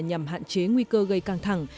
nhằm hạn chế nguy cơ gây căng thẳng